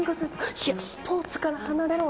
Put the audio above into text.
いやスポーツから離れろ